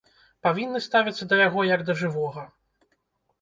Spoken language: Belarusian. Павінны ставіцца да яго, як да жывога.